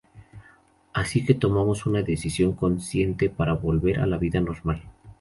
Así que tomamos una decisión consciente para volver a la vida normal".